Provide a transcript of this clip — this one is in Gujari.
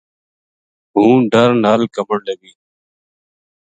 ہوں ڈر نال کَمن لگی